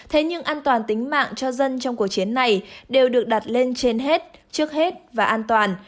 thế nhưng an toàn tính mạng cho dân trong cuộc chiến này đều được đặt lên trên hết trước hết và an toàn